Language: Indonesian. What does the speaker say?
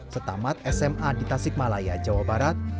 setamat sma di tasikmalaya jawa barat